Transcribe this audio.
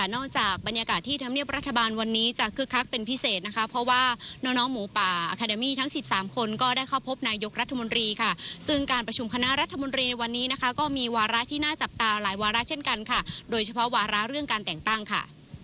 จากบรรยากาศที่ธรรมเนียบรัฐบาลวันนี้จะคึกคักเป็นพิเศษนะคะเพราะว่าน้องน้องหมูป่าอาคาเดมี่ทั้ง๑๓คนก็ได้เข้าพบนายกรัฐมนตรีค่ะซึ่งการประชุมคณะรัฐมนตรีในวันนี้นะคะก็มีวาระที่น่าจับตาหลายวาระเช่นกันค่ะโดยเฉพาะวาระเรื่องการแต่งตั้งค่ะ